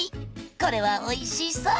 これはおいしそう！